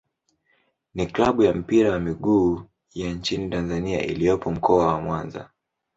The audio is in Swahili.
ni klabu ya mpira wa miguu ya nchini Tanzania iliyopo Mkoa wa Mwanza.